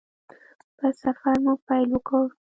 په سفر مو پیل وکړ.